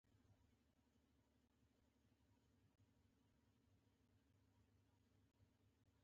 لرګی د کعبې دروازه هم جوړوي.